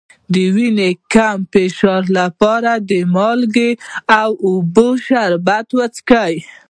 د وینې د کم فشار لپاره د مالګې او اوبو شربت وڅښئ